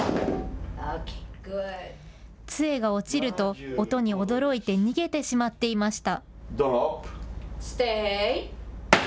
つえが落ちると音に驚いて逃げてしまっていました。